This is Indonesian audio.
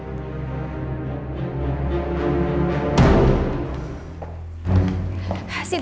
sintia tahu dari mana kalau siva sakit